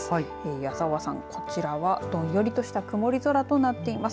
矢澤さん、こちらはどんよりとした曇り空となっています。